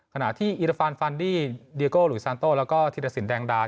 ขณะที่อิรฟานฟันดี้เดียโกหลุยซานโต้แล้วก็ธิรสินแดงดา